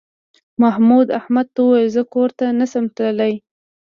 محمود احمد ته وویل زه کور ته نه شم تللی.